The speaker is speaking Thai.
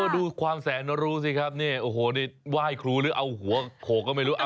ดูความแสนรู้สิครับนี่โอ้โหนี่ไหว้ครูหรือเอาหัวโขกก็ไม่รู้